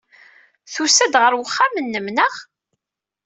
Tusa-d ɣer uxxam-nnem, naɣ?